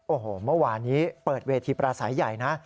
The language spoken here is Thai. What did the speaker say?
โอ้โหเมื่อวานนี้เปิดเวทีปราศัยใหญ่นะ